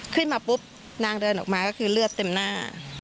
คือมาปุ๊บนางเดินออกมาเรือดเต็มหน้า